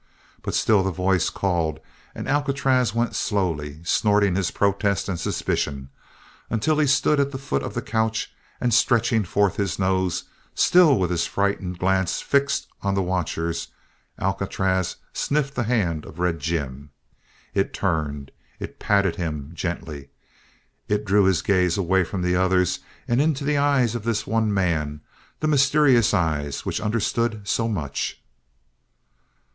But still the voice called and Alcatraz went slowly, snorting his protest and suspicion, until he stood at the foot of the couch and stretching forth his nose, still with his frightened glance fixed on the watchers, Alcatraz sniffed the hand of Red Jim. It turned. It patted him gently. It drew his gaze away from the others and into the eyes of this one man, the mysterious eyes which understood so much.